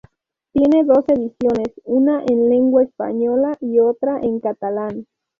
Tiene dos ediciones, una en lengua española y otra en catalán.